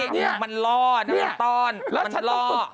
เนี่ยหนุ่มมันล้อนะ